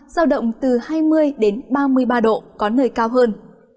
giao động từ hai mươi đến ba mươi ba độ có nơi cao hơn